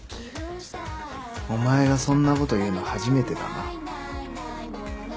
お前がそんなこと言うの初めてだな。